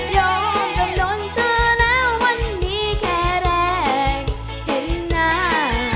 ยอมจำนวนเธอแล้ววันนี้แค่แรงเห็นหน้า